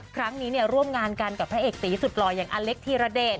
ครั้งนี้ร่วมงานกันกับพระเอกตีสุดหล่ออย่างอเล็กธีรเดช